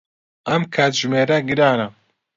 ئەم کاتژمێرە گرانە.